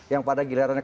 yang pada saat itu